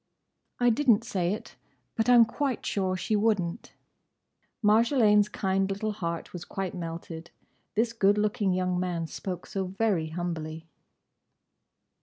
"I didn't say it; but I'm quite sure she would n't." Marjolaine's kind little heart was quite melted. This good looking young man spoke so very humbly.